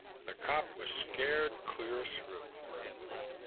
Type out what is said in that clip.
The cop was scared clear through.